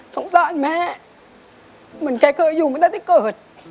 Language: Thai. สงสารแม่เหมือนแกเคยอยู่มาตั้งแต่เกิด